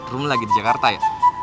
room lagi di jakarta ya